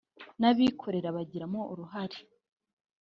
n’abikorera bagiramo uruhare